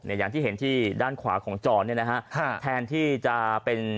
อย่างที่เห็นที่ด้านขวาของจรเนี่ยนะฮะค่ะแทนที่จะเป็น